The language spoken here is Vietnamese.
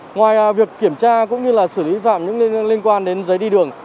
ngoài việc kiểm tra cũng như là xử lý phạm những liên quan đến giấy đi đường